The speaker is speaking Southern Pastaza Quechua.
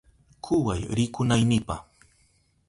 Kuway rikunaynipa.